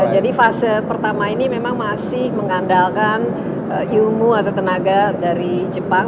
jadi fase pertama ini memang masih mengandalkan ilmu atau tenaga dari jepang